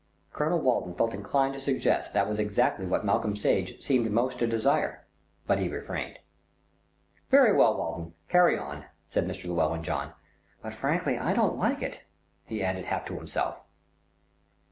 Colonel Walton felt inclined to suggest that was exactly what Malcolm Sage seemed most to desire; but he refrained. "Very well, Walton, carry on," said Mr. Llewellyn John; "but frankly I don't like it," he added half to himself.